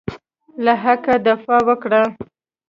له حقه دفاع وکړه.